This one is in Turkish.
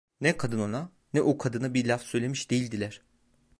Ne kadın ona, ne o kadına bir laf söylemiş değildiler.